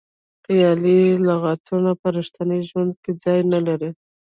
خیالي لغتونه په ریښتیني ژوند کې ځای نه لري.